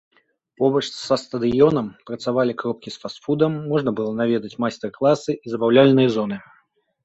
Побач са стадыёнам працавалі кропкі з фаст-фудам, можна было наведаць майстар-класы і забаўляльныя зоны.